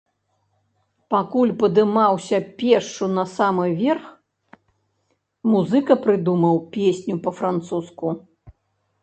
Пакуль падымаўся пешшу на самы верх, музыка прыдумаў песню па-французску.